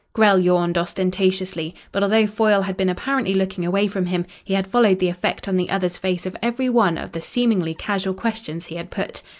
Grell yawned ostentatiously, but although Foyle had been apparently looking away from him he had followed the effect on the other's face of every one of the seemingly casual questions he had put.